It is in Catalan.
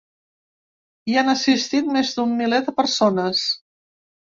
Hi han assistit més d’un miler de persones.